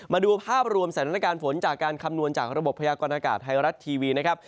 มาดูภาพรวมสถานการณ์ฝนจากการคำนวณจากระบบพยากรณากาศไทยรัฐทีวีนะครับ